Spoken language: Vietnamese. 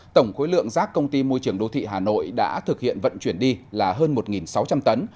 tổng khối lượng rác công ty môi trường đô thị hà nội đã thực hiện vận chuyển đi là hơn một sáu trăm linh tấn